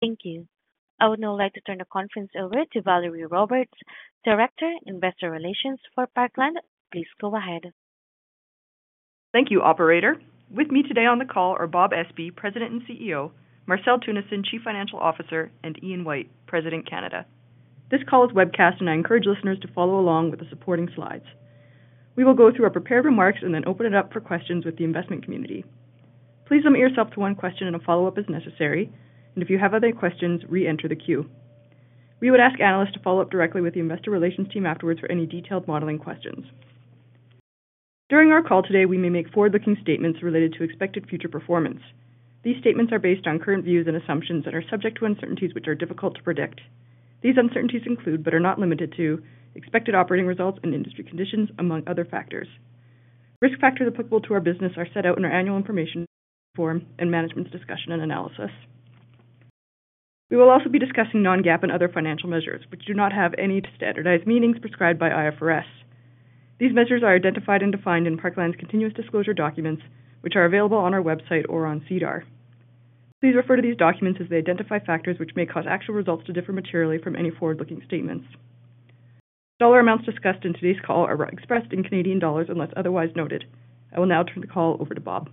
Thank you. I would now like to turn the conference over to Valerie Roberts, Director, Investor Relations for Parkland. Please go ahead. Thank you, Operator. With me today on the call are Bob Espey, President and CEO; Marcel Teunissen, Chief Financial Officer; and Ian White, President, Canada. This call is webcast, and I encourage listeners to follow along with the supporting slides. We will go through our prepared remarks and then open it up for questions with the investment community. Please limit yourself to one question, and a follow-up is necessary. If you have other questions, re-enter the queue. We would ask analysts to follow up directly with the Investor Relations team afterwards for any detailed modeling questions. During our call today, we may make forward-looking statements related to expected future performance. These statements are based on current views and assumptions and are subject to uncertainties which are difficult to predict. These uncertainties include but are not limited to expected operating results and industry conditions, among other factors. Risk factors applicable to our business are set out in our Annual Information Form and Management's Discussion and Analysis. We will also be discussing Non-GAAP and other financial measures, which do not have any standardized meanings prescribed by IFRS. These measures are identified and defined in Parkland continuous disclosure documents, which are available on our website or on SEDAR+. Please refer to these documents as they identify factors which may cause actual results to differ materially from any forward-looking statements. Dollar amounts discussed in today's call are expressed in Canadian dollars unless otherwise noted. I will now turn the call over to Bob.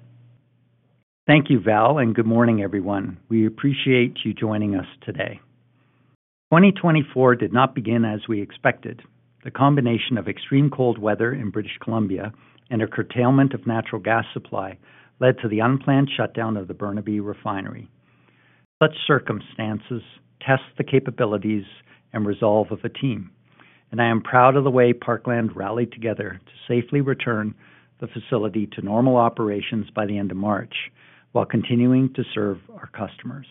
Thank you, Val, and good morning, everyone. We appreciate you joining us today. 2024 did not begin as we expected. The combination of extreme cold weather in British Columbia and a curtailment of natural gas supply led to the unplanned shutdown of the Burnaby refinery. Such circumstances test the capabilities and resolve of a team, and I am proud of the way Parkland rallied together to safely return the facility to normal operations by the end of March while continuing to serve our customers.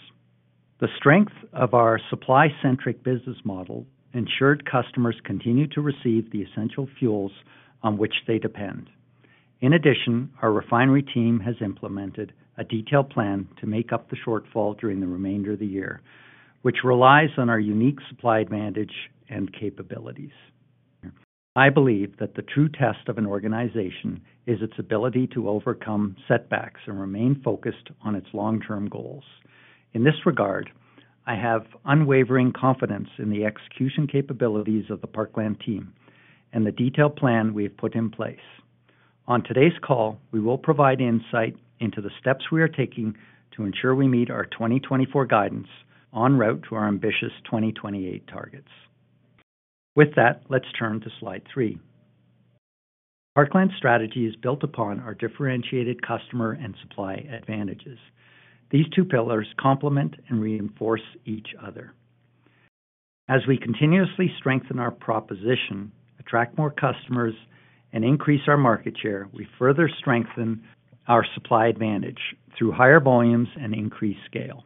The strength of our supply-centric business model ensured customers continue to receive the essential fuels on which they depend. In addition, our refinery team has implemented a detailed plan to make up the shortfall during the remainder of the year, which relies on our unique supply advantage and capabilities. I believe that the true test of an organization is its ability to overcome setbacks and remain focused on its long-term goals. In this regard, I have unwavering confidence in the execution capabilities of the Parkland team and the detailed plan we have put in place. On today's call, we will provide insight into the steps we are taking to ensure we meet our 2024 guidance en route to our ambitious 2028 targets. With that, let's turn to slide three. Parkland strategy is built upon our differentiated customer and supply advantages. These two pillars complement and reinforce each other. As we continuously strengthen our proposition, attract more customers, and increase our market share, we further strengthen our supply advantage through higher volumes and increased scale.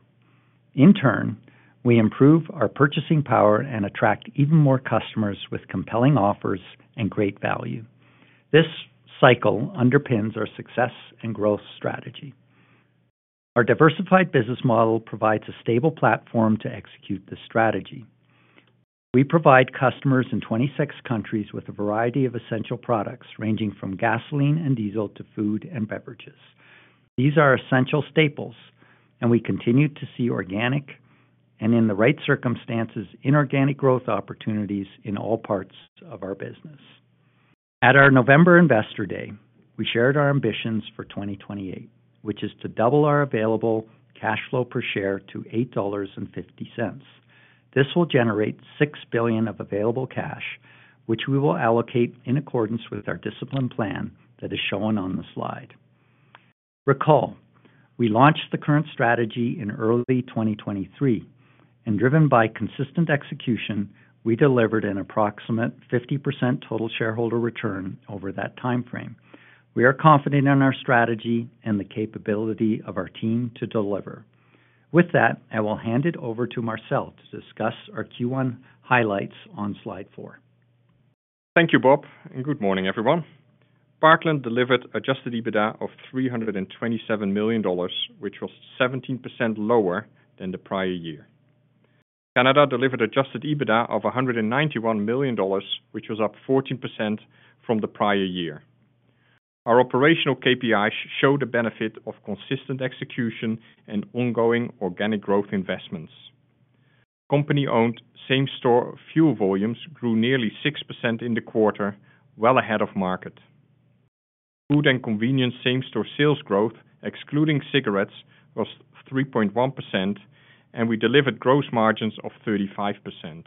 In turn, we improve our purchasing power and attract even more customers with compelling offers and great value. This cycle underpins our success and growth strategy. Our diversified business model provides a stable platform to execute this strategy. We provide customers in 26 countries with a variety of essential products ranging from gasoline and diesel to food and beverages. These are essential staples, and we continue to see organic and, in the right circumstances, inorganic growth opportunities in all parts of our business. At our November Investor Day, we shared our ambitions for 2028, which is to double our available cash flow per share to 8.50 dollars. This will generate 6 billion of available cash, which we will allocate in accordance with our discipline plan that is shown on the slide. Recall, we launched the current strategy in early 2023, and driven by consistent execution, we delivered an approximate 50% total shareholder return over that time frame. We are confident in our strategy and the capability of our team to deliver. With that, I will hand it over to Marcel to discuss our Q1 highlights on slide 4. Thank you, Bob, and good morning, everyone. Parkland delivered adjusted EBITDA of 327 million dollars, which was 17% lower than the prior year. Canada delivered adjusted EBITDA of 191 million dollars, which was up 14% from the prior year. Our operational KPIs showed the benefit of consistent execution and ongoing organic growth investments. Company-owned same-store fuel volumes grew nearly 6% in the quarter, well ahead of market. Food and convenience same-store sales growth, excluding cigarettes, was 3.1%, and we delivered gross margins of 35%.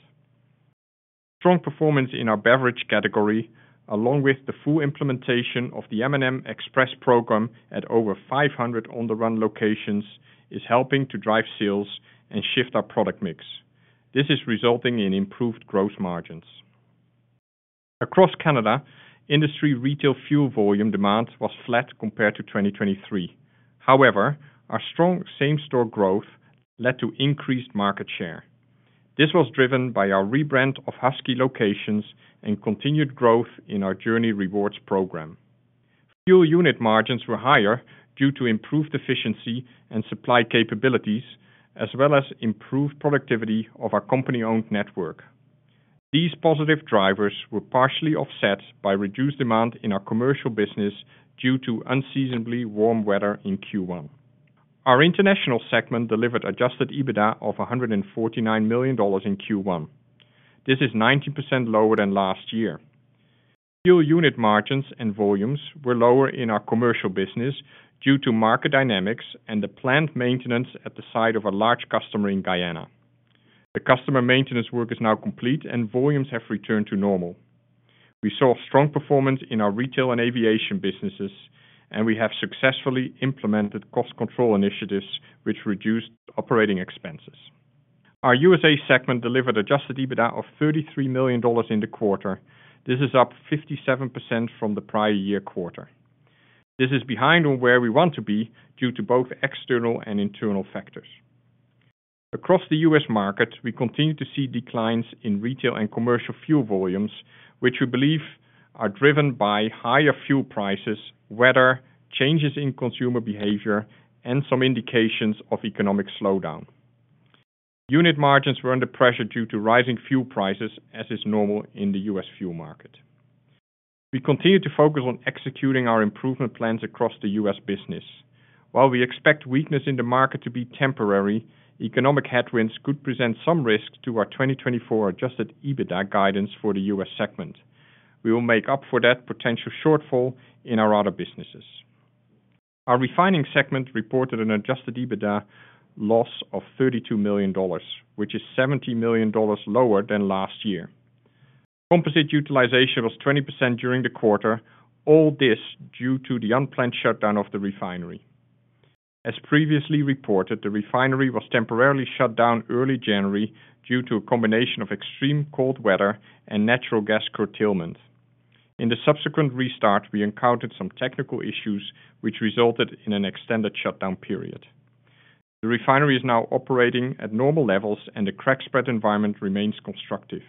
Strong performance in our beverage category, along with the full implementation of the M&M Express program at over 500 On the Run locations, is helping to drive sales and shift our product mix. This is resulting in improved gross margins. Across Canada, industry retail fuel volume demand was flat compared to 2023. However, our strong same-store growth led to increased market share. This was driven by our rebrand of Husky locations and continued growth in our JOURNIE Rewards program. Fuel unit margins were higher due to improved efficiency and supply capabilities, as well as improved productivity of our company-owned network. These positive drivers were partially offset by reduced demand in our commercial business due to unseasonably warm weather in Q1. Our international segment delivered Adjusted EBITDA of 149 million dollars in Q1. This is 90% lower than last year. Fuel unit margins and volumes were lower in our commercial business due to market dynamics and the planned maintenance at the site of a large customer in Guyana. The customer maintenance work is now complete, and volumes have returned to normal. We saw strong performance in our retail and aviation businesses, and we have successfully implemented cost control initiatives, which reduced operating expenses. Our USA segment delivered Adjusted EBITDA of 33 million dollars in the quarter. This is up 57% from the prior year quarter. This is behind on where we want to be due to both external and internal factors. Across the U.S. market, we continue to see declines in retail and commercial fuel volumes, which we believe are driven by higher fuel prices, weather, changes in consumer behavior, and some indications of economic slowdown. Unit margins were under pressure due to rising fuel prices, as is normal in the U.S. fuel market. We continue to focus on executing our improvement plans across the U.S. business. While we expect weakness in the market to be temporary, economic headwinds could present some risk to our 2024 Adjusted EBITDA guidance for the U.S. segment. We will make up for that potential shortfall in our other businesses. Our refining segment reported an Adjusted EBITDA loss of 32 million dollars, which is 70 million dollars lower than last year. Composite utilization was 20% during the quarter. All this due to the unplanned shutdown of the refinery. As previously reported, the refinery was temporarily shut down early January due to a combination of extreme cold weather and natural gas curtailment. In the subsequent restart, we encountered some technical issues, which resulted in an extended shutdown period. The refinery is now operating at normal levels, and the crack spread environment remains constructive.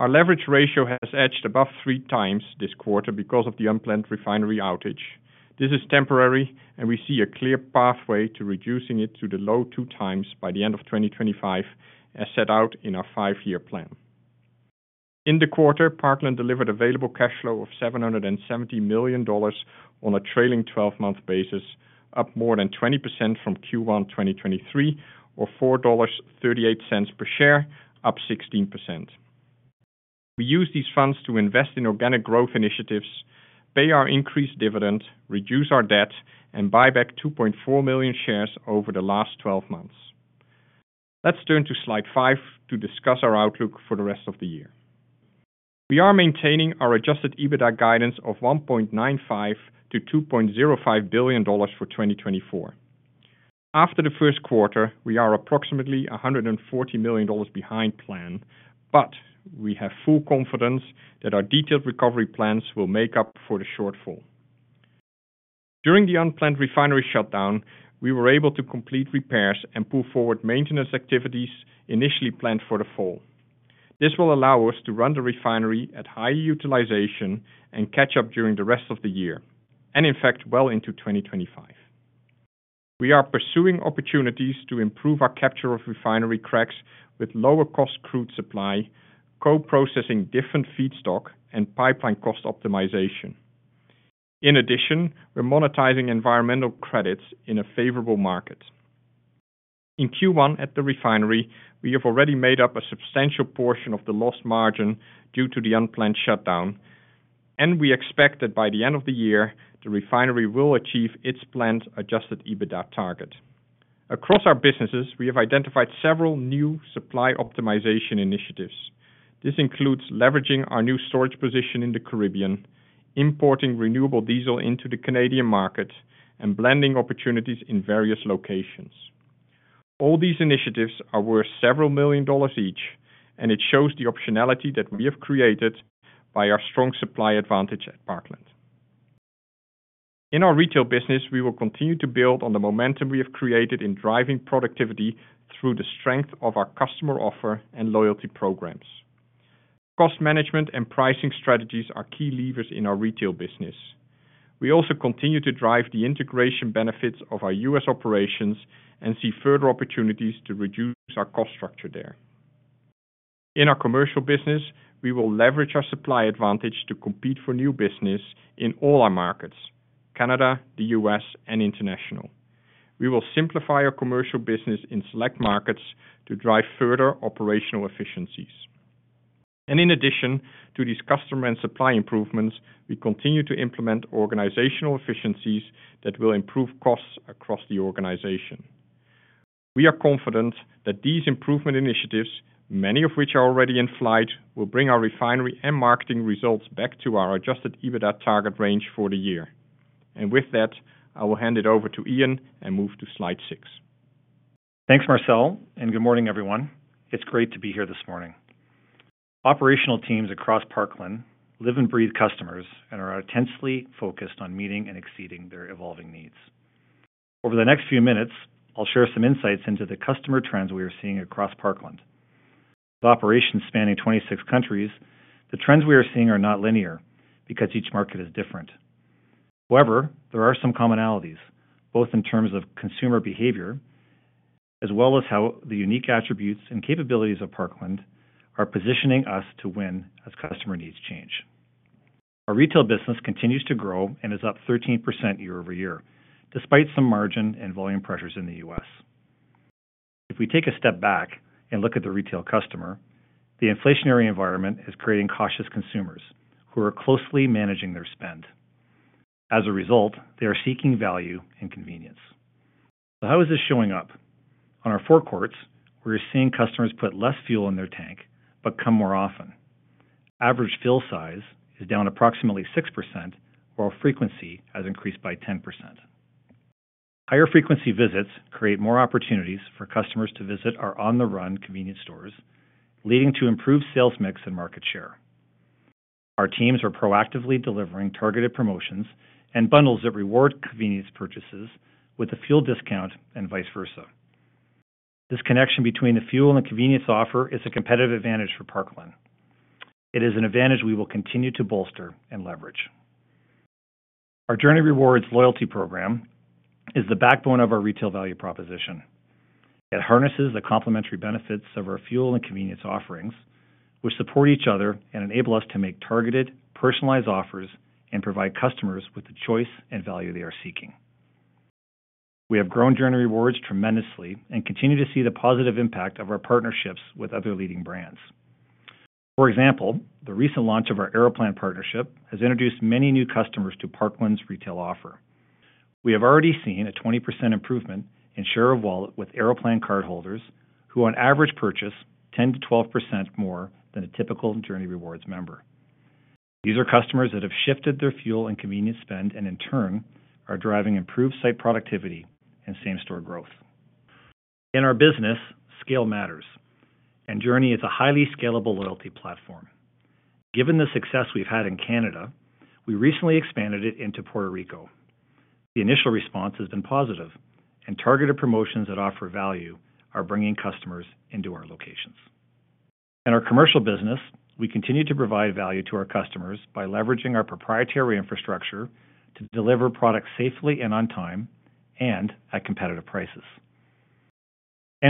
Our leverage ratio has edged above 3x this quarter because of the unplanned refinery outage. This is temporary, and we see a clear pathway to reducing it to the low 2x by the end of 2025, as set out in our five-year plan. In the quarter, Parkland delivered available cash flow of 770 million dollars on a trailing 12-month basis, up more than 20% from Q1 2023, or 4.38 dollars per share, up 16%. We use these funds to invest in organic growth initiatives, pay our increased dividend, reduce our debt, and buy back 2.4 million shares over the last 12 months. Let's turn to slide five to discuss our outlook for the rest of the year. We are maintaining our adjusted EBITDA guidance of 1.95 billion-2.05 billion dollars for 2024. After the first quarter, we are approximately 140 million dollars behind plan, but we have full confidence that our detailed recovery plans will make up for the shortfall. During the unplanned refinery shutdown, we were able to complete repairs and pull forward maintenance activities initially planned for the fall. This will allow us to run the refinery at higher utilization and catch up during the rest of the year and, in fact, well into 2025. We are pursuing opportunities to improve our capture of refinery cracks with lower-cost crude supply, co-processing different feedstock, and pipeline cost optimization. In addition, we're monetizing environmental credits in a favorable market. In Q1 at the refinery, we have already made up a substantial portion of the lost margin due to the unplanned shutdown, and we expect that by the end of the year, the refinery will achieve its planned Adjusted EBITDA target. Across our businesses, we have identified several new supply optimization initiatives. This includes leveraging our new storage position in the Caribbean, importing renewable diesel into the Canadian market, and blending opportunities in various locations. All these initiatives are worth CAD several million each, and it shows the optionality that we have created by our strong supply advantage at Parkland. In our retail business, we will continue to build on the momentum we have created in driving productivity through the strength of our customer offer and loyalty programs. Cost management and pricing strategies are key levers in our retail business. We also continue to drive the integration benefits of our U.S. operations and see further opportunities to reduce our cost structure there. In our commercial business, we will leverage our supply advantage to compete for new business in all our markets: Canada, the U.S., and international. We will simplify our commercial business in select markets to drive further operational efficiencies. And in addition to these customer and supply improvements, we continue to implement organizational efficiencies that will improve costs across the organization. We are confident that these improvement initiatives, many of which are already in flight, will bring our refinery and marketing results back to our Adjusted EBITDA target range for the year. With that, I will hand it over to Ian and move to slide 6. Thanks, Marcel, and good morning, everyone. It's great to be here this morning. Operational teams across Parkland live and breathe customers and are intensely focused on meeting and exceeding their evolving needs. Over the next few minutes, I'll share some insights into the customer trends we are seeing across Parkland. With operations spanning 26 countries, the trends we are seeing are not linear because each market is different. However, there are some commonalities, both in terms of consumer behavior as well as how the unique attributes and capabilities of Parkland are positioning us to win as customer needs change. Our retail business continues to grow and is up 13% year-over-year, despite some margin and volume pressures in the U.S. If we take a step back and look at the retail customer, the inflationary environment is creating cautious consumers who are closely managing their spend. As a result, they are seeking value and convenience. So how is this showing up? On our forecourts, we are seeing customers put less fuel in their tank but come more often. Average fill size is down approximately 6%, while frequency has increased by 10%. Higher frequency visits create more opportunities for customers to visit our On the Run convenience stores, leading to improved sales mix and market share. Our teams are proactively delivering targeted promotions and bundles that reward convenience purchases with a fuel discount and vice versa. This connection between the fuel and convenience offer is a competitive advantage for Parkland. It is an advantage we will continue to bolster and leverage. Our JOURNIE Rewards loyalty program is the backbone of our retail value proposition. It harnesses the complementary benefits of our fuel and convenience offerings, which support each other and enable us to make targeted, personalized offers and provide customers with the choice and value they are seeking. We have grown JOURNIE Rewards tremendously and continue to see the positive impact of our partnerships with other leading brands. For example, the recent launch of our Aeroplan partnership has introduced many new customers to Parkland retail offer. We have already seen a 20% improvement in share of wallet with Aeroplan cardholders, who on average purchase 10%-12% more than a typical JOURNIE Rewards member. These are customers that have shifted their fuel and convenience spend and, in turn, are driving improved site productivity and same-store growth. In our business, scale matters, and JOURNIE is a highly scalable loyalty platform. Given the success we've had in Canada, we recently expanded it into Puerto Rico. The initial response has been positive, and targeted promotions that offer value are bringing customers into our locations. In our commercial business, we continue to provide value to our customers by leveraging our proprietary infrastructure to deliver products safely and on time and at competitive prices.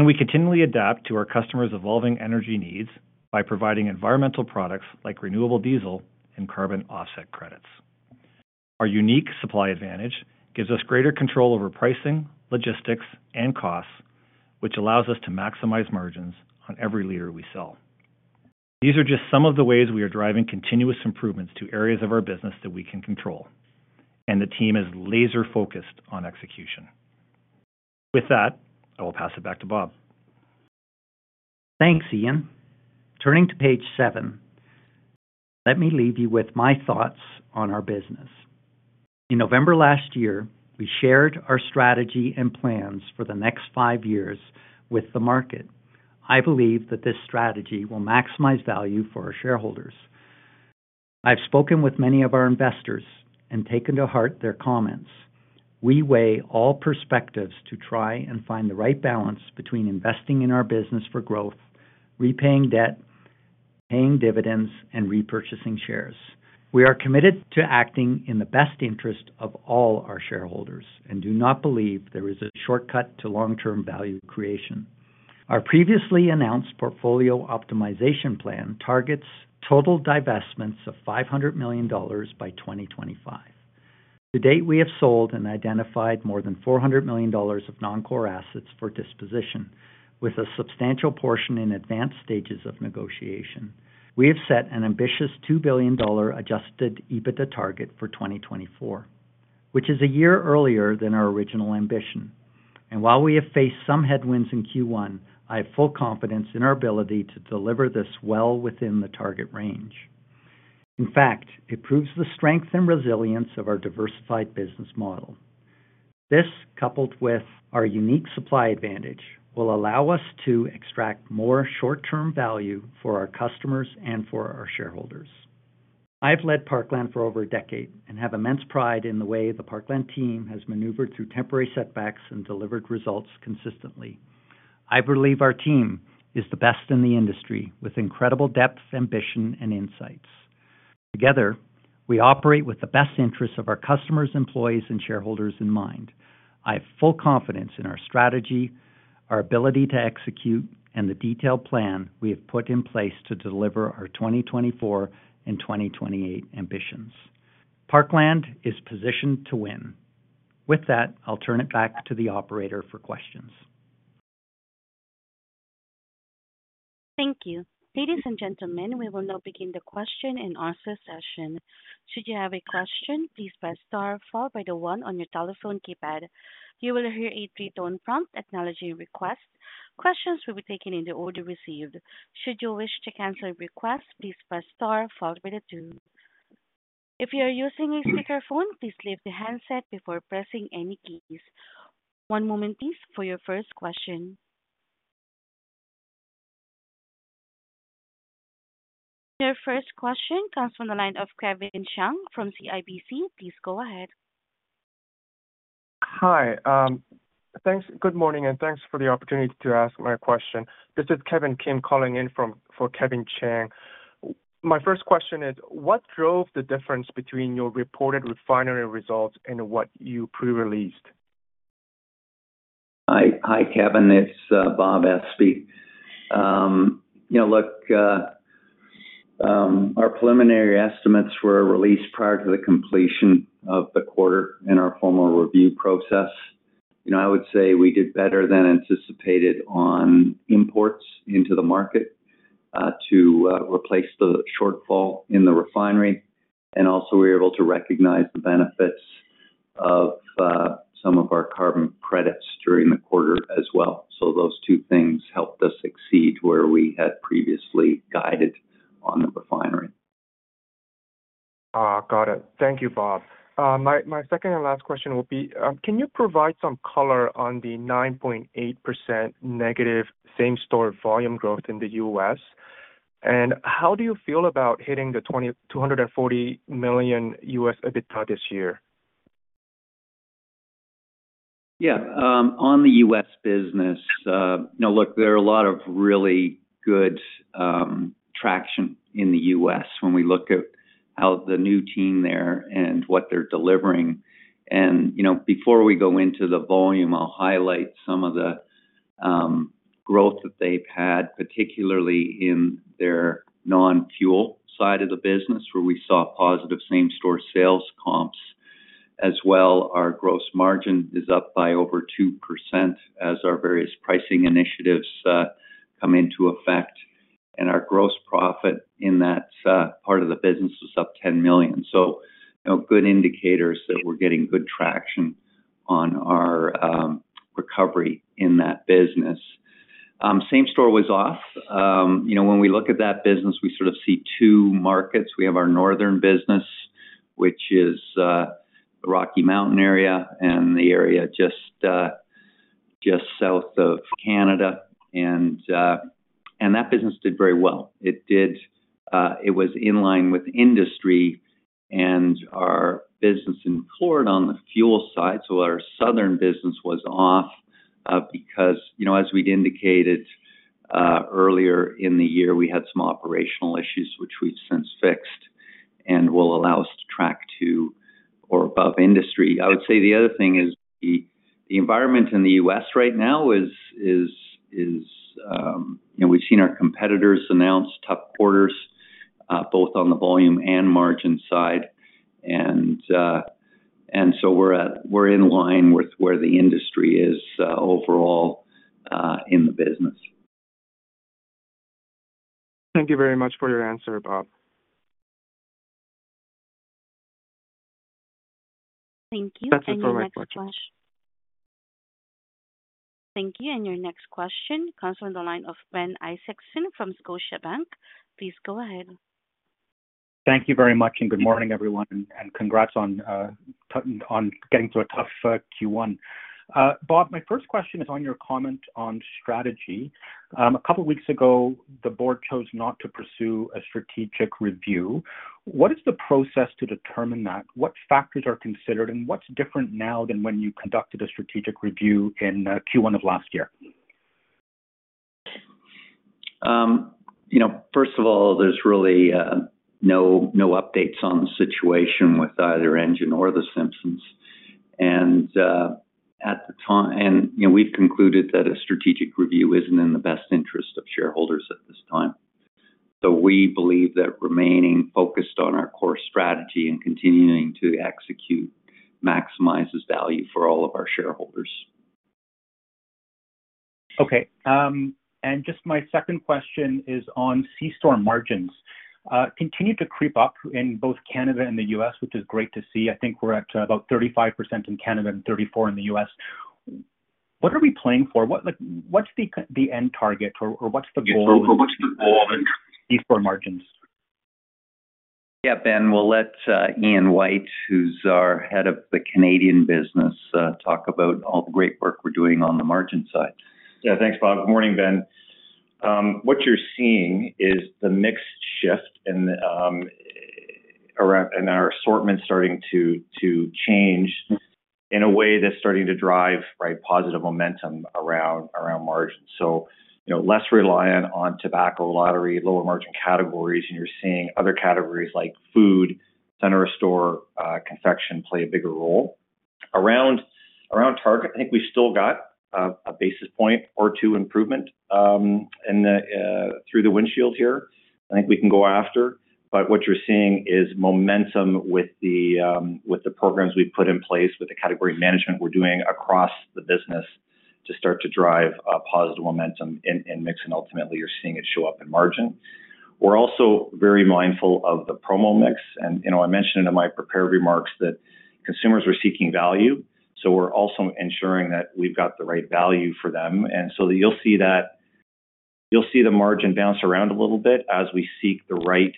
We continually adapt to our customers' evolving energy needs by providing environmental products like renewable diesel and carbon offset credits. Our unique supply advantage gives us greater control over pricing, logistics, and costs, which allows us to maximize margins on every liter we sell. These are just some of the ways we are driving continuous improvements to areas of our business that we can control, and the team is laser-focused on execution. With that, I will pass it back to Bob. Thanks, Ian. Turning to page seven, let me leave you with my thoughts on our business. In November last year, we shared our strategy and plans for the next five years with the market. I believe that this strategy will maximize value for our shareholders. I have spoken with many of our investors and taken to heart their comments. We weigh all perspectives to try and find the right balance between investing in our business for growth, repaying debt, paying dividends, and repurchasing shares. We are committed to acting in the best interest of all our shareholders and do not believe there is a shortcut to long-term value creation. Our previously announced portfolio optimization plan targets total divestments of 500 million dollars by 2025. To date, we have sold and identified more than 400 million dollars of non-core assets for disposition, with a substantial portion in advanced stages of negotiation. We have set an ambitious 2 billion dollar Adjusted EBITDA target for 2024, which is a year earlier than our original ambition. While we have faced some headwinds in Q1, I have full confidence in our ability to deliver this well within the target range. In fact, it proves the strength and resilience of our diversified business model. This, coupled with our unique supply advantage, will allow us to extract more short-term value for our customers and for our shareholders. I have led Parkland for over a decade and have immense pride in the way the Parkland team has maneuvered through temporary setbacks and delivered results consistently. I believe our team is the best in the industry, with incredible depth, ambition, and insights. Together, we operate with the best interests of our customers, employees, and shareholders in mind. I have full confidence in our strategy, our ability to execute, and the detailed plan we have put in place to deliver our 2024 and 2028 ambitions. Parkland is positioned to win. With that, I'll turn it back to the operator for questions. Thank you. Ladies and gentlemen, we will now begin the question and answer session. Should you have a question, please press star, followed by the one on your telephone keypad. You will hear a three-tone prompt acknowledging request. Questions will be taken in the order received. Should you wish to cancel a request, please press star, followed by the two. If you are using a speakerphone, please leave the handset before pressing any keys. One moment, please, for your first question. Your first question comes from the line of Kevin Chiang from CIBC. Please go ahead. Hi. Good morning, and thanks for the opportunity to ask my question. This is Kevin Kim calling in for Kevin Chiang. My first question is, what drove the difference between your reported refinery results and what you pre-released? Hi, Kevin. It's Bob Espey. Look, our preliminary estimates were released prior to the completion of the quarter in our formal review process. I would say we did better than anticipated on imports into the market to replace the shortfall in the refinery. And also, we were able to recognize the benefits of some of our carbon credits during the quarter as well. So those two things helped us exceed where we had previously guided on the refinery. Got it. Thank you, Bob. My second and last question will be, can you provide some color on the 9.8% negative same-store volume growth in the U.S.? And how do you feel about hitting the $240 million U.S. EBITDA this year? Yeah. On the U.S. business, look, there are a lot of really good traction in the U.S. when we look at how the new team there and what they're delivering. And before we go into the volume, I'll highlight some of the growth that they've had, particularly in their non-fuel side of the business, where we saw positive same-store sales comps as well. Our gross margin is up by over 2% as our various pricing initiatives come into effect. And our gross profit in that part of the business was up 10 million. So good indicators that we're getting good traction on our recovery in that business. Same-store was off. When we look at that business, we sort of see two markets. We have our northern business, which is the Rocky Mountains area and the area just south of Canada. And that business did very well. It was in line with industry. Our business in Florida on the fuel side, so our southern business was off because, as we'd indicated earlier in the year, we had some operational issues, which we've since fixed and will allow us to track to or above industry. I would say the other thing is the environment in the U.S. right now is we've seen our competitors announce tough quarters, both on the volume and margin side. So we're in line with where the industry is overall in the business. Thank you very much for your answer, Bob. Thank you. Thank you for my question. That's it for my question. Thank you. Your next question comes from the line of Ben Isaacson from Scotiabank. Please go ahead. Thank you very much, and good morning, everyone, and congrats on getting through a tough Q1. Bob, my first question is on your comment on strategy. A couple of weeks ago, the board chose not to pursue a strategic review. What is the process to determine that? What factors are considered, and what's different now than when you conducted a strategic review in Q1 of last year? First of all, there's really no updates on the situation with either Engine or the Simpsons. At the time we've concluded that a strategic review isn't in the best interest of shareholders at this time. We believe that remaining focused on our core strategy and continuing to execute maximizes value for all of our shareholders. Okay. Just my second question is on C-store margins. Continue to creep up in both Canada and the U.S., which is great to see. I think we're at about 35% in Canada and 34% in the U.S. What are we playing for? What's the end target, or what's the goal? Yeah. So what's the goal? C-store margins. Yeah, Ben, we'll let Ian White, who's our head of the Canadian business, talk about all the great work we're doing on the margin side. Yeah, thanks, Bob. Good morning, Ben. What you're seeing is the mix shift and our assortment starting to change in a way that's starting to drive positive momentum around margins. So less reliant on tobacco, lottery, lower-margin categories, and you're seeing other categories like food, center of store, confection play a bigger role. Around target, I think we've still got a basis point or two improvement through the windshield here. I think we can go after. But what you're seeing is momentum with the programs we've put in place, with the category management we're doing across the business to start to drive positive momentum in mix. And ultimately, you're seeing it show up in margin. We're also very mindful of the promo mix. And I mentioned in my prepared remarks that consumers were seeking value. So we're also ensuring that we've got the right value for them. And so you'll see that you'll see the margin bounce around a little bit as we seek the right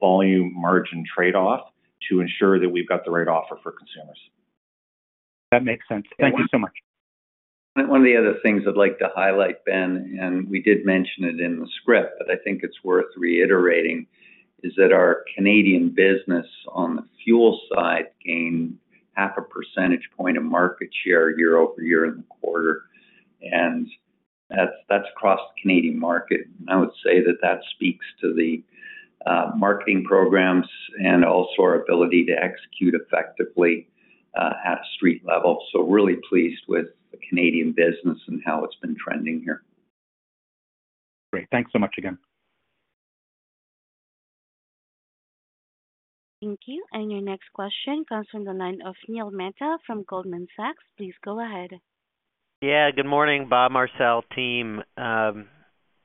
volume margin trade-off to ensure that we've got the right offer for consumers. That makes sense. Thank you so much. One of the other things I'd like to highlight, Ben, and we did mention it in the script, but I think it's worth reiterating, is that our Canadian business on the fuel side gained 0.5 percentage point of market share year-over-year in the quarter. That's across the Canadian market. I would say that that speaks to the marketing programs and also our ability to execute effectively at a street level. So really pleased with the Canadian business and how it's been trending here. Great. Thanks so much again. Thank you. And your next question comes from the line of Neil Mehta from Goldman Sachs. Please go ahead. Yeah. Good morning, Bob, Marcel, team.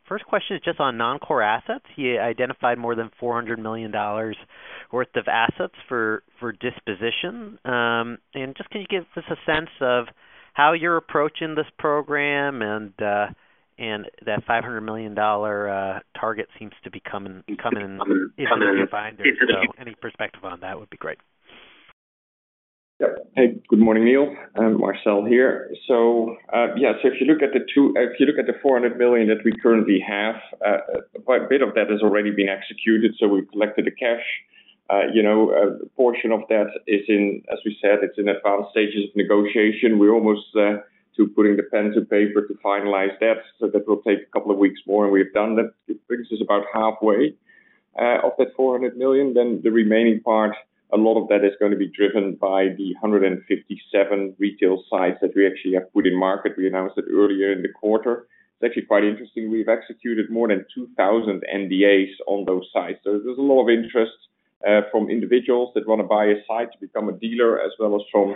First question is just on non-core assets. You identified more than 400 million dollars worth of assets for disposition. Just can you give us a sense of how you're approaching this program? That 500 million dollar target seems to be coming into your mind. If you have any perspective on that, would be great. Yep. Hey, good morning, Neil. Marcel here. So yeah, so if you look at the 400 million that we currently have, quite a bit of that has already been executed. So we've collected the cash. A portion of that is in, as we said, it's in advanced stages of negotiation. We're almost putting the pen to paper to finalize that. So that will take a couple of weeks more. And we have done that. It brings us about halfway of that 400 million. Then the remaining part, a lot of that is going to be driven by the 157 retail sites that we actually have put in market. We announced it earlier in the quarter. It's actually quite interesting. We've executed more than 2,000 NDAs on those sites. So there's a lot of interest from individuals that want to buy a site to become a dealer, as well as from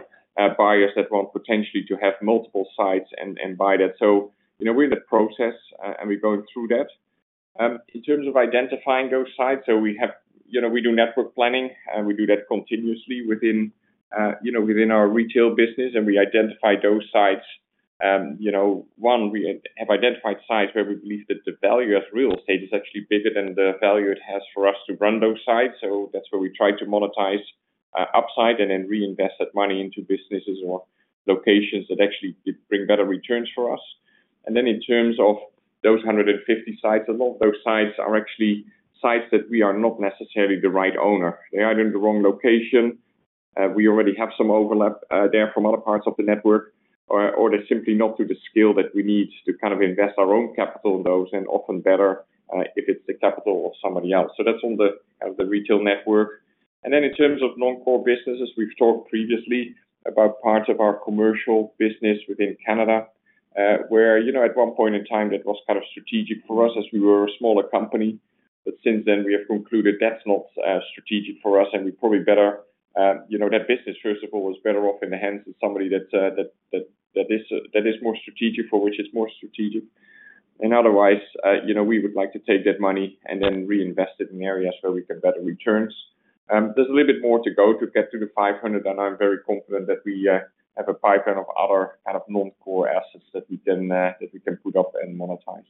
buyers that want potentially to have multiple sites and buy that. So we're in that process, and we're going through that. In terms of identifying those sites, so we have we do network planning, and we do that continuously within our retail business. And we identify those sites. One, we have identified sites where we believe that the value as real estate is actually bigger than the value it has for us to run those sites. So that's where we try to monetize upside and then reinvest that money into businesses or locations that actually bring better returns for us. And then in terms of those 150 sites, a lot of those sites are actually sites that we are not necessarily the right owner. They are in the wrong location. We already have some overlap there from other parts of the network, or they're simply not to the scale that we need to kind of invest our own capital in those, and often better if it's the capital of somebody else. So that's on the kind of the retail network. And then in terms of non-core businesses, we've talked previously about parts of our commercial business within Canada, where at one point in time, that was kind of strategic for us as we were a smaller company. But since then, we have concluded that's not strategic for us, and we probably better that business, first of all, is better off in the hands of somebody that is more strategic, for which it's more strategic. And otherwise, we would like to take that money and then reinvest it in areas where we can better returns. There's a little bit more to go to get to the 500, and I'm very confident that we have a pipeline of other kind of non-core assets that we can put up and monetize.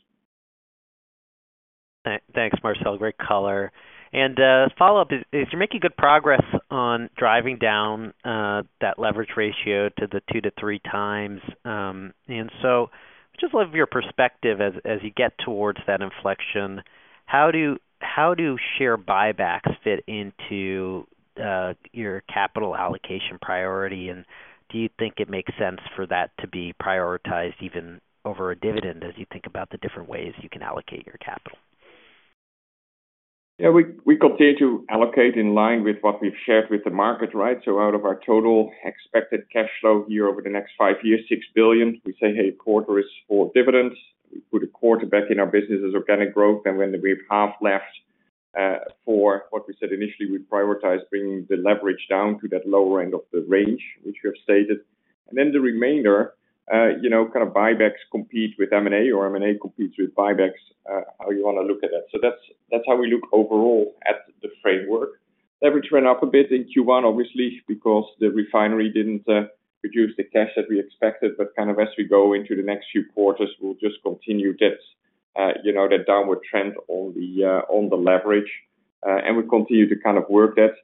Thanks, Marcel. Great color. Follow-up is you're making good progress on driving down that leverage ratio to the 2 times-3 times. So just a little bit of your perspective as you get towards that inflection, how do share buybacks fit into your capital allocation priority? And do you think it makes sense for that to be prioritized even over a dividend as you think about the different ways you can allocate your capital? Yeah, we continue to allocate in line with what we've shared with the market, right? So out of our total expected cash flow here over the next five years, 6 billion, we say, "Hey, quarter is for dividends." We put a quarter back in our business as organic growth. And when we have half left for what we said initially, we prioritize bringing the leverage down to that lower end of the range, which we have stated. And then the remainder, kind of buybacks compete with M&A, or M&A competes with buybacks, how you want to look at that. So that's how we look overall at the framework. Leverage went up a bit in Q1, obviously, because the refinery didn't produce the cash that we expected. But kind of as we go into the next few quarters, we'll just continue that downward trend on the leverage. We continue to kind of work that.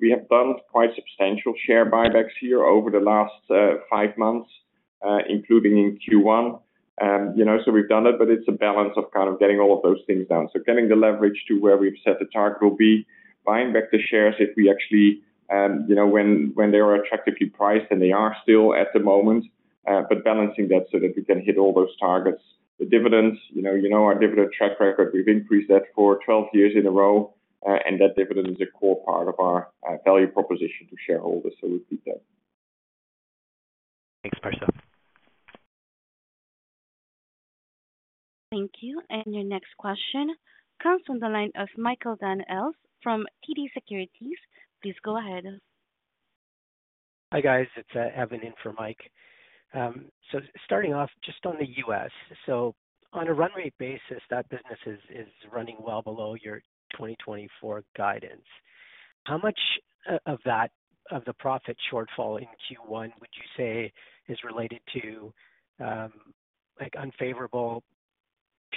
We have done quite substantial share buybacks here over the last five months, including in Q1. So we've done it, but it's a balance of kind of getting all of those things down. So getting the leverage to where we've set the target will be buying back the shares if we actually when they are attractively priced, and they are still at the moment, but balancing that so that we can hit all those targets. The dividends, you know our dividend track record, we've increased that for 12 years in a row. That dividend is a core part of our value proposition to shareholders. So we'll keep that. Thanks, Marcel. Thank you. And your next question comes from the line of Michael Van Aelst from TD Securities. Please go ahead. Hi, guys. It's Evan Lind for Mike. So starting off just on the U.S., so on a run rate basis, that business is running well below your 2024 guidance. How much of that of the profit shortfall in Q1 would you say is related to unfavorable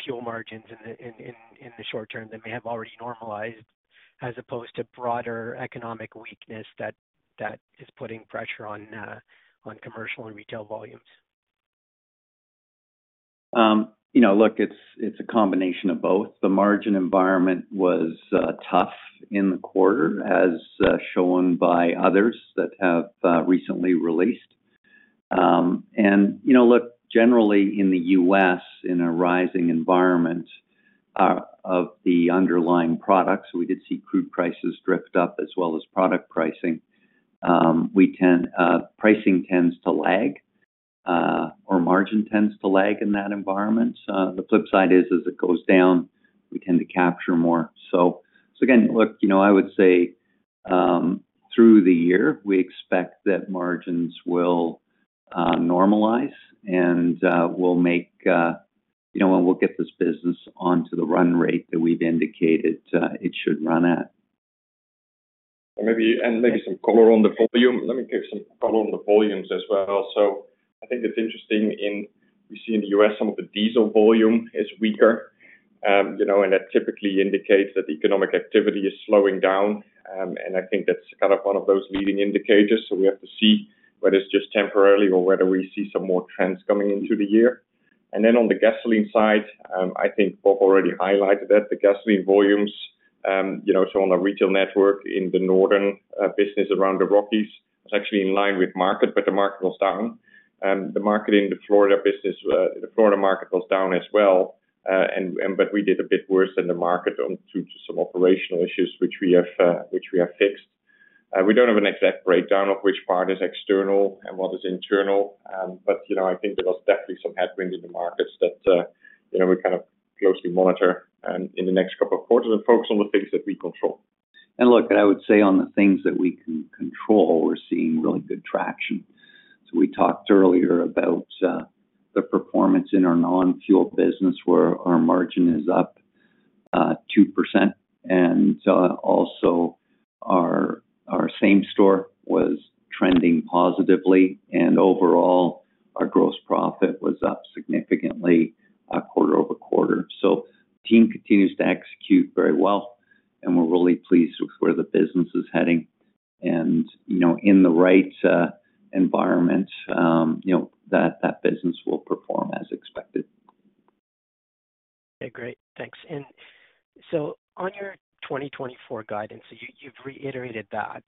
fuel margins in the short term that may have already normalized as opposed to broader economic weakness that is putting pressure on commercial and retail volumes? Look, it's a combination of both. The margin environment was tough in the quarter, as shown by others that have recently released. And look, generally, in the U.S., in a rising environment of the underlying products, we did see crude prices drift up as well as product pricing. Pricing tends to lag, or margin tends to lag in that environment. The flip side is, as it goes down, we tend to capture more. So again, look, I would say through the year, we expect that margins will normalize and will make and we'll get this business onto the run rate that we've indicated it should run at. Maybe some color on the volume. Let me give some color on the volumes as well. So I think it's interesting in we see in the U.S., some of the diesel volume is weaker. And that typically indicates that economic activity is slowing down. And I think that's kind of one of those leading indicators. So we have to see whether it's just temporarily or whether we see some more trends coming into the year. And then on the gasoline side, I think Bob already highlighted that, the gasoline volumes. So on the retail network in the northern business around the Rockies, it was actually in line with market, but the market was down. The market in the Florida business, the Florida market was down as well. But we did a bit worse than the market due to some operational issues, which we have fixed. We don't have an exact breakdown of which part is external and what is internal. But I think there was definitely some headwind in the markets that we kind of closely monitor in the next couple of quarters and focus on the things that we control. Look, and I would say on the things that we can control, we're seeing really good traction. So we talked earlier about the performance in our non-fuel business where our margin is up 2%. And also, our same store was trending positively. And overall, our gross profit was up significantly quarter-over-quarter. So team continues to execute very well. And we're really pleased with where the business is heading. And in the right environment, that business will perform as expected. Okay. Great. Thanks. And so on your 2024 guidance, so you've reiterated that.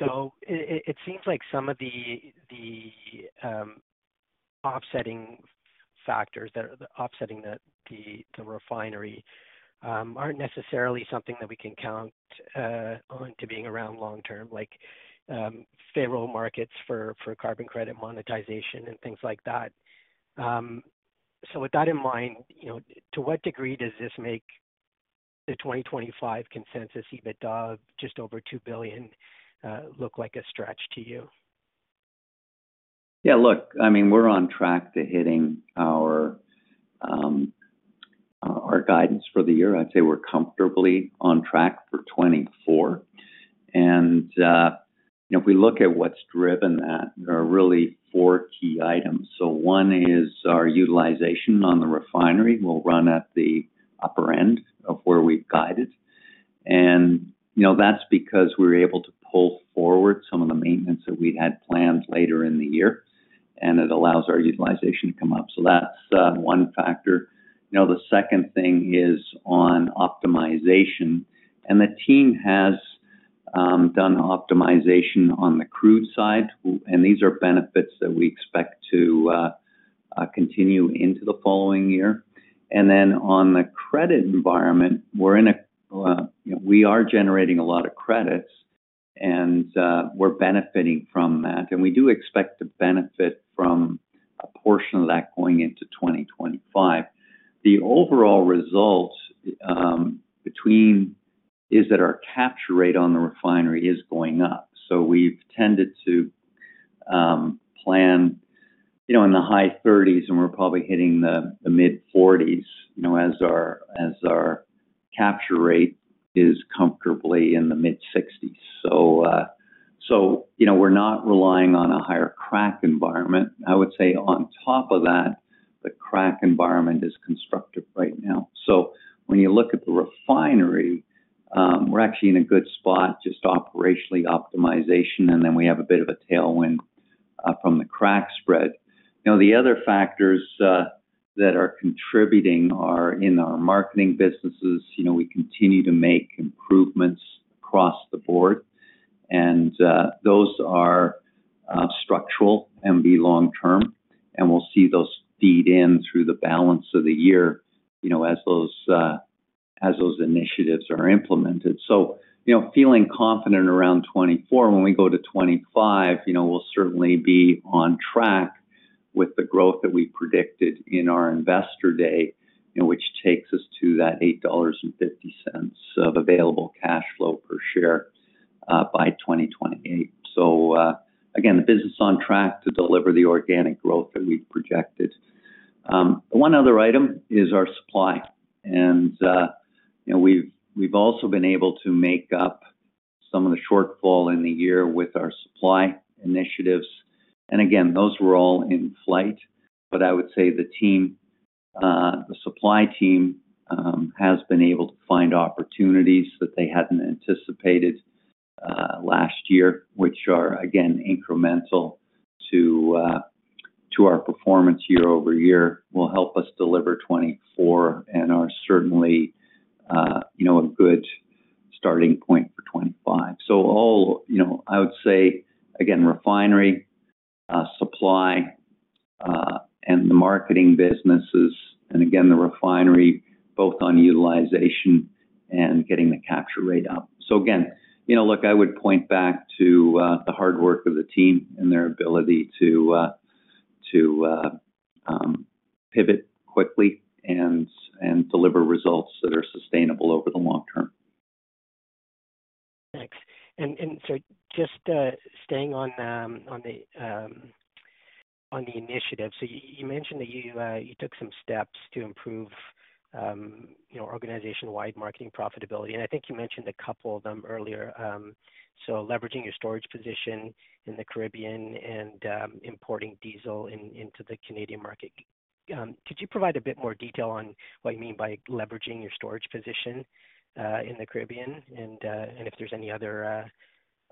Though it seems like some of the offsetting factors that are offsetting the refinery aren't necessarily something that we can count on to being around long-term, like federal markets for carbon credit monetization and things like that. So with that in mind, to what degree does this make the 2025 consensus EBITDA of just over 2 billion look like a stretch to you? Yeah, look, I mean, we're on track to hitting our guidance for the year. I'd say we're comfortably on track for 2024. And if we look at what's driven that, there are really four key items. So one is our utilization on the refinery. We'll run at the upper end of where we've guided. And that's because we were able to pull forward some of the maintenance that we'd had planned later in the year. And it allows our utilization to come up. So that's one factor. The second thing is on optimization. And the team has done optimization on the crude side. And these are benefits that we expect to continue into the following year. And then on the credit environment, we're generating a lot of credits. And we're benefiting from that. We do expect to benefit from a portion of that going into 2025. The overall result is that our capture rate on the refinery is going up. We've tended to plan in the high 30s, and we're probably hitting the mid 40s as our capture rate is comfortably in the mid 60s. We're not relying on a higher crack environment. I would say on top of that, the crack environment is constructive right now. When you look at the refinery, we're actually in a good spot, just operationally optimization. Then we have a bit of a tailwind from the crack spread. The other factors that are contributing are in our marketing businesses. We continue to make improvements across the board. Those are structural and be long-term. We'll see those feed in through the balance of the year as those initiatives are implemented. So feeling confident around 2024, when we go to 2025, we'll certainly be on track with the growth that we predicted in our investor day, which takes us to that 8.50 dollars of available cash flow per share by 2028. So again, the business on track to deliver the organic growth that we've projected. One other item is our supply. We've also been able to make up some of the shortfall in the year with our supply initiatives. And again, those were all in flight. But I would say the supply team has been able to find opportunities that they hadn't anticipated last year, which are, again, incremental to our performance year-over-year, will help us deliver 2024 and are certainly a good starting point for 2025. So, I would say, again, refinery, supply, and the marketing businesses, and again, the refinery, both on utilization and getting the capture rate up. So again, look, I would point back to the hard work of the team and their ability to pivot quickly and deliver results that are sustainable over the long term. Thanks. So just staying on the initiative, you mentioned that you took some steps to improve organization-wide marketing profitability. I think you mentioned a couple of them earlier. So leveraging your storage position in the Caribbean and importing diesel into the Canadian market. Could you provide a bit more detail on what you mean by leveraging your storage position in the Caribbean and if there's any other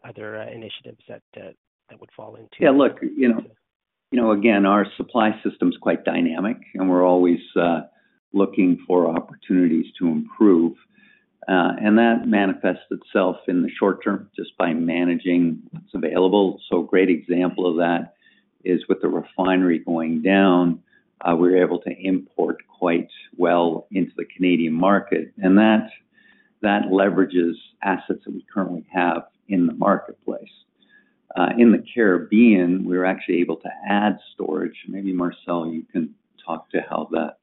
initiatives that would fall into? Yeah, look, again, our supply system's quite dynamic, and we're always looking for opportunities to improve. That manifests itself in the short term just by managing what's available. A great example of that is with the refinery going down, we were able to import quite well into the Canadian market. That leverages assets that we currently have in the marketplace. In the Caribbean, we were actually able to add storage. Maybe, Marcel, you can talk to how that.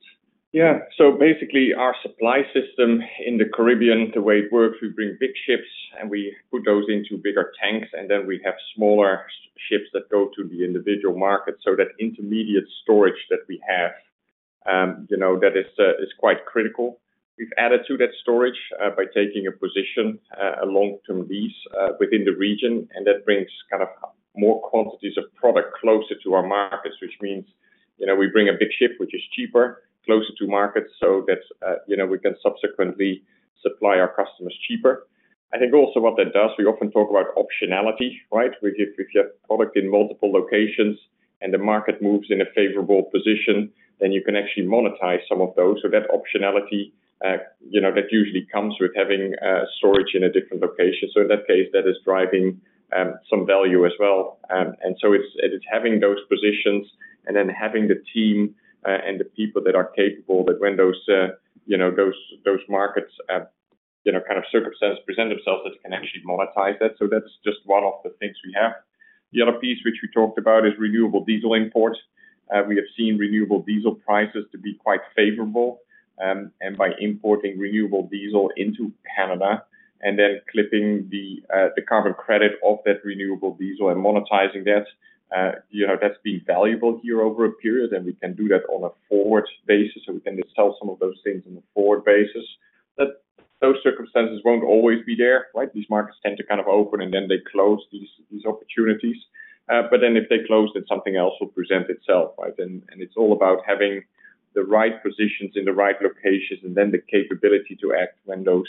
Yeah. So basically, our supply system in the Caribbean, the way it works, we bring big ships and we put those into bigger tanks. And then we have smaller ships that go to the individual market. So that intermediate storage that we have, that is quite critical. We've added to that storage by taking a position, a long-term lease within the region. And that brings kind of more quantities of product closer to our markets, which means we bring a big ship, which is cheaper, closer to markets so that we can subsequently supply our customers cheaper. I think also what that does, we often talk about optionality, right? If you have product in multiple locations and the market moves in a favorable position, then you can actually monetize some of those. So that optionality, that usually comes with having storage in a different location. So in that case, that is driving some value as well. And so it's having those positions and then having the team and the people that are capable that when those markets kind of circumstances present themselves, that you can actually monetize that. So that's just one of the things we have. The other piece which we talked about is renewable diesel imports. We have seen renewable diesel prices to be quite favorable. And by importing renewable diesel into Canada and then clipping the carbon credit off that renewable diesel and monetizing that, that's been valuable here over a period. And we can do that on a forward basis. So we can just sell some of those things on a forward basis. But those circumstances won't always be there, right? These markets tend to kind of open, and then they close these opportunities. But then if they close, then something else will present itself, right? And it's all about having the right positions in the right locations and then the capability to act when those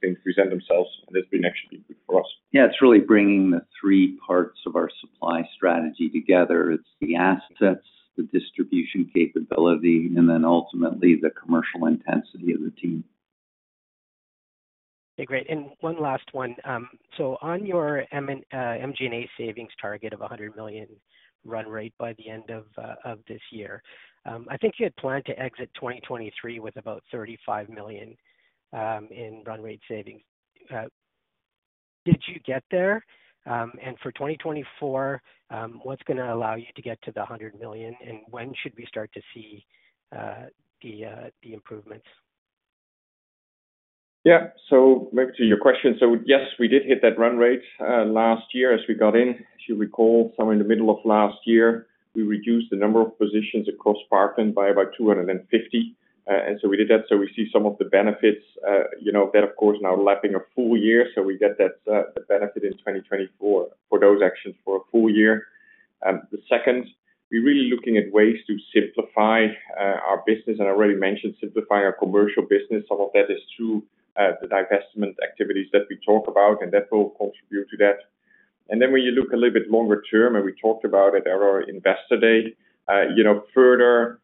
things present themselves. And that's been actually good for us. Yeah, it's really bringing the three parts of our supply strategy together. It's the assets, the distribution capability, and then ultimately the commercial intensity of the team. Okay. Great. One last one. On your SG&A savings target of 100 million run rate by the end of this year, I think you had planned to exit 2023 with about 35 million in run rate savings. Did you get there? For 2024, what's going to allow you to get to the 100 million? When should we start to see the improvements? Yeah. So maybe to your question. So yes, we did hit that run rate last year as we got in. As you recall, somewhere in the middle of last year, we reduced the number of positions across Parkland by about 250. And so we did that. So we see some of the benefits of that, of course, now lapping a full year. So we get that benefit in 2024 for those actions for a full year. The second, we're really looking at ways to simplify our business. And I already mentioned simplifying our commercial business. Some of that is through the divestment activities that we talk about. And that will contribute to that. And then when you look a little bit longer term, and we talked about it at our investor day, further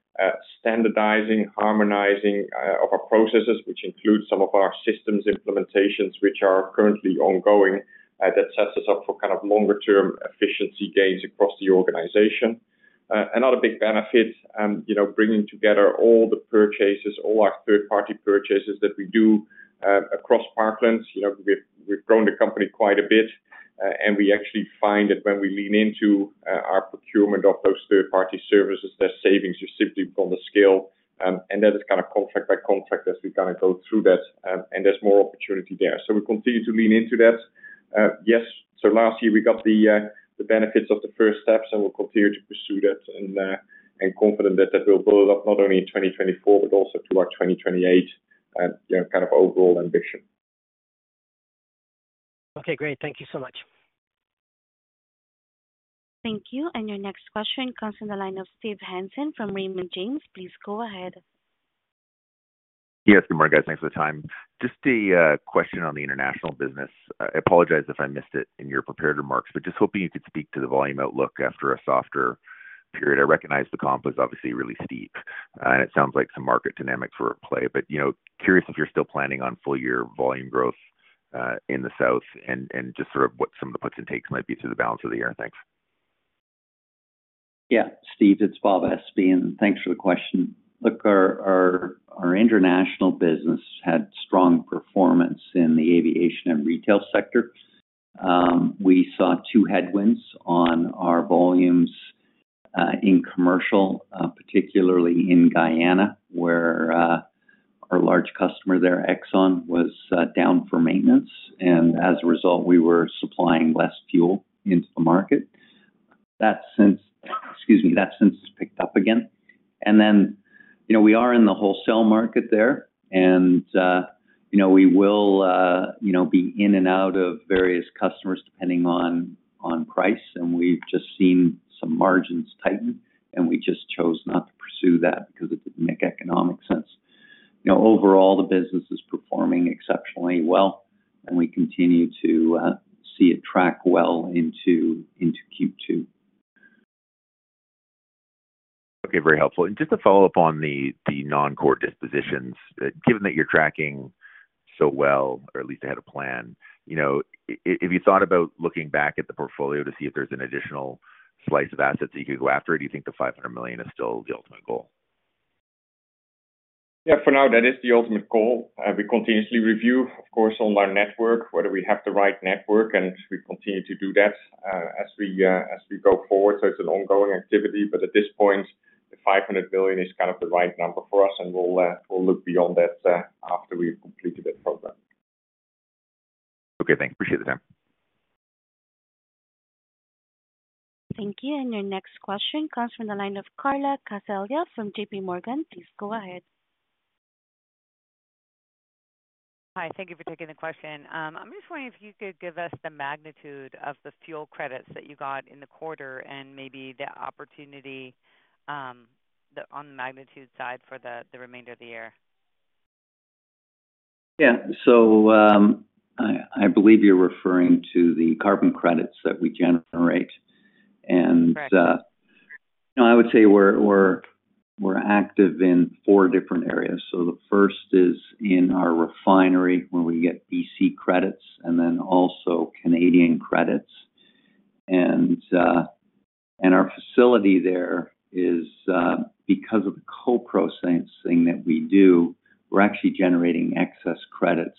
standardizing, harmonizing of our processes, which includes some of our systems implementations, which are currently ongoing, that sets us up for kind of longer-term efficiency gains across the organization. Another big benefit, bringing together all the purchases, all our third-party purchases that we do across Parkland. We've grown the company quite a bit. And we actually find that when we lean into our procurement of those third-party services, their savings, you simply want to scale. And that is kind of contract by contract as we kind of go through that. And there's more opportunity there. So we continue to lean into that. Yes. So last year, we got the benefits of the first steps. We'll continue to pursue that and confident that that will build up not only in 2024, but also to our 2028 kind of overall ambition. Okay. Great. Thank you so much. Thank you. And your next question comes from the line of Steve Hansen from Raymond James. Please go ahead. Yes, good morning, guys. Thanks for the time. Just a question on the international business. I apologize if I missed it in your prepared remarks, but just hoping you could speak to the volume outlook after a softer period. I recognize the comp was obviously really steep. And it sounds like some market dynamics were at play. But curious if you're still planning on full-year volume growth in the south and just sort of what some of the puts and takes might be through the balance of the year. Thanks. Yeah, Steve, it's Bob Espey. And thanks for the question. Look, our international business had strong performance in the aviation and retail sector. We saw two headwinds on our volumes in commercial, particularly in Guyana, where our large customer there, Exxon, was down for maintenance. And as a result, we were supplying less fuel into the market. Excuse me. That sense has picked up again. And then we are in the wholesale market there. And we will be in and out of various customers depending on price. And we've just seen some margins tighten. And we just chose not to pursue that because it didn't make economic sense. Overall, the business is performing exceptionally well. And we continue to see it track well into Q2. Okay. Very helpful. Just to follow up on the non-core dispositions, given that you're tracking so well, or at least ahead of plan, if you thought about looking back at the portfolio to see if there's an additional slice of assets that you could go after it, do you think the 500 million is still the ultimate goal? Yeah, for now, that is the ultimate goal. We continuously review, of course, on our network, whether we have the right network. We continue to do that as we go forward. It's an ongoing activity. At this point, the 500 million is kind of the right number for us. We'll look beyond that after we've completed that program. Okay. Thanks. Appreciate the time. Thank you. Your next question comes from the line of Carla Casella from JPMorgan. Please go ahead. Hi. Thank you for taking the question. I'm just wondering if you could give us the magnitude of the fuel credits that you got in the quarter and maybe the opportunity on the magnitude side for the remainder of the year? Yeah. So I believe you're referring to the carbon credits that we generate. And I would say we're active in four different areas. So the first is in our refinery where we get BC credits and then also Canadian credits. And our facility there is because of the co-processing that we do, we're actually generating excess credits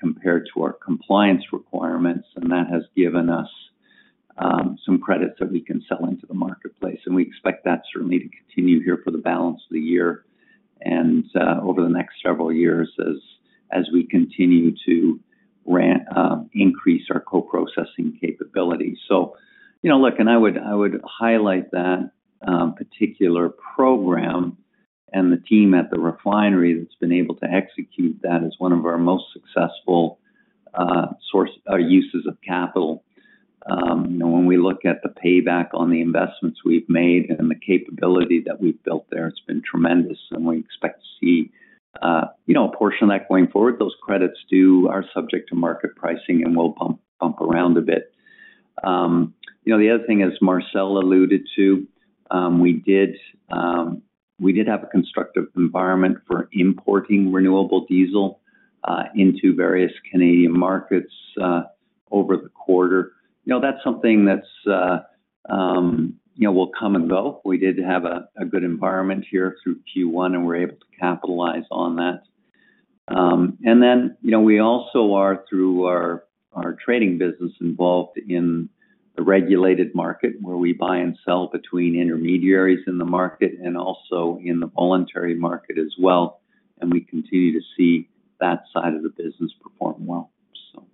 compared to our compliance requirements. And that has given us some credits that we can sell into the marketplace. And we expect that certainly to continue here for the balance of the year and over the next several years as we continue to increase our co-processing capability. So look, and I would highlight that particular program and the team at the refinery that's been able to execute that as one of our most successful uses of capital. When we look at the payback on the investments we've made and the capability that we've built there, it's been tremendous. And we expect to see a portion of that going forward. Those credits are subject to market pricing, and we'll bump around a bit. The other thing, as Marcel alluded to, we did have a constructive environment for importing renewable diesel into various Canadian markets over the quarter. That's something that will come and go. We did have a good environment here through Q1, and we're able to capitalize on that. And then we also are, through our trading business, involved in the regulated market where we buy and sell between intermediaries in the market and also in the voluntary market as well. And we continue to see that side of the business perform well,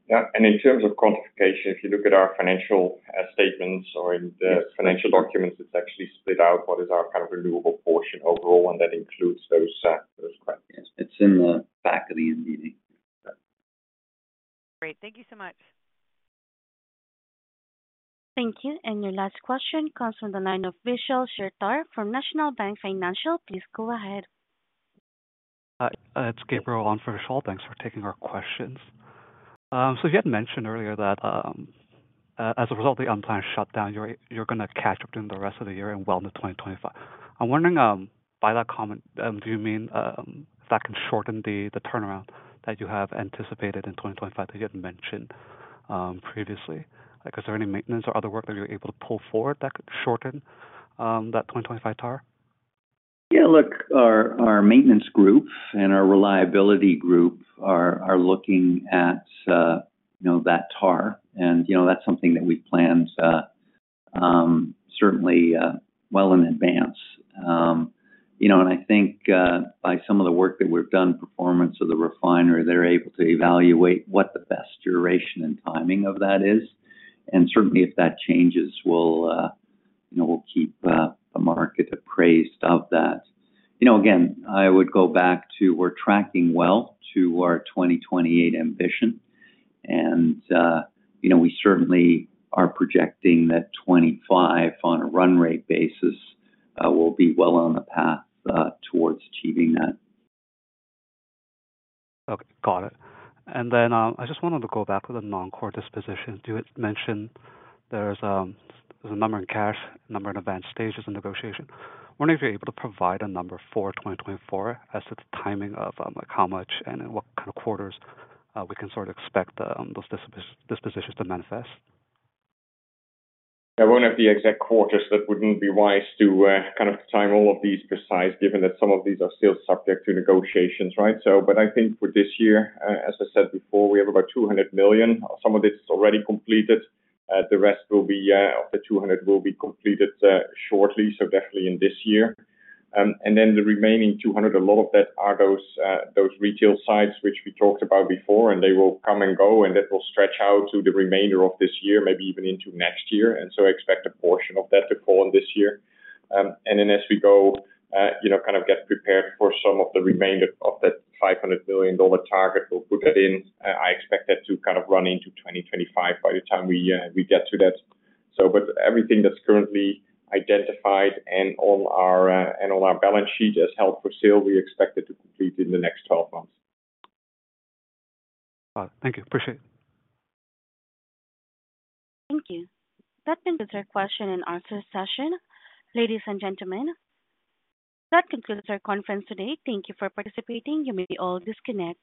so. Yeah. In terms of quantification, if you look at our financial statements or in the financial documents, it's actually split out what is our kind of renewable portion overall, and that includes those credits. Yeah. It's in the back of the MD&A. Great. Thank you so much. Thank you. And your last question comes from the line of Vishal Shreedhar from National Bank Financial. Please go ahead. Hi. It's Gabriel on for Vishal Shreedhar. Thanks for taking our questions. So you had mentioned earlier that as a result of the unplanned shutdown, you're going to catch up during the rest of the year and well into 2025. I'm wondering, by that comment, do you mean if that can shorten the turnaround that you have anticipated in 2025 that you hadn't mentioned previously? Is there any maintenance or other work that you're able to pull forward that could shorten that 2025 TAR? Yeah. Look, our maintenance group and our reliability group are looking at that TAR. And that's something that we've planned certainly well in advance. And I think by some of the work that we've done, performance of the refinery, they're able to evaluate what the best duration and timing of that is. And certainly, if that changes, we'll keep the market appraised of that. Again, I would go back to we're tracking well to our 2028 ambition. And we certainly are projecting that 2025, on a run rate basis, will be well on the path towards achieving that. Okay. Got it. And then I just wanted to go back with a non-core disposition. You had mentioned there's a number in cash, a number in advanced stages in negotiation. I'm wondering if you're able to provide a number for 2024 as to the timing of how much and in what kind of quarters we can sort of expect those dispositions to manifest? Yeah. I won't have the exact quarters, but it wouldn't be wise to kind of time all of these precisely, given that some of these are still subject to negotiations, right? But I think for this year, as I said before, we have about $200 million. Some of it's already completed. The rest of the $200 million will be completed shortly, so definitely in this year. And then the remaining $200 million, a lot of that are those retail sites which we talked about before. And they will come and go. And that will stretch out to the remainder of this year, maybe even into next year. And so I expect a portion of that to fall in this year. And then as we go kind of get prepared for some of the remainder of that $500 million target, we'll put that in. I expect that to kind of run into 2025 by the time we get to that. But everything that's currently identified and on our balance sheet as held for sale, we expect it to complete in the next 12 months. Got it. Thank you. Appreciate it. Thank you. That concludes our question and answer session. Ladies and gentlemen, that concludes our conference today. Thank you for participating. You may all disconnect.